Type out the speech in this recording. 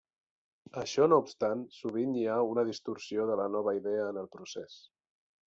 Això no obstant, sovint hi ha una distorsió de la nova idea en el procés.